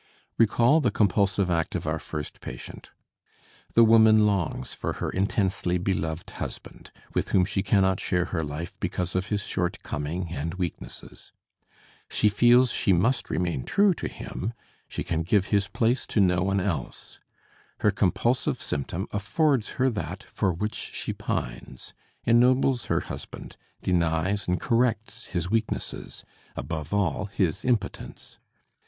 Recall the compulsive act of our first patient. The woman longs for her intensely beloved husband, with whom she cannot share her life because of his shortcoming and weaknesses. She feels she must remain true to him, she can give his place to no one else. Her compulsive symptom affords her that for which she pines, ennobles her husband, denies and corrects his weaknesses, above all, his impotence.